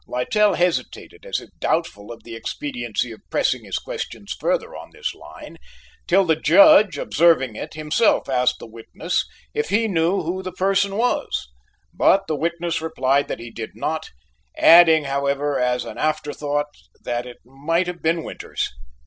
Littell hesitated as if doubtful of the expediency of pressing his questions further on this line, till the Judge, observing it, himself asked the witness if he knew who the person was; but the witness replied that he did not, adding, however, as an afterthought, that it might have been Winters.